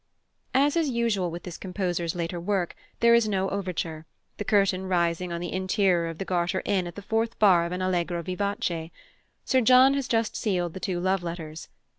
As is usual with this composer's later work, there is no overture, the curtain rising on the interior of the Garter Inn at the fourth bar of an allegro vivace. Sir John has just sealed the two love letters.